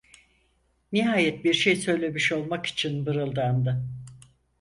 Nihayet bir şey söylemiş olmak için mırıldandı: